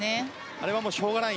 あれはしょうがない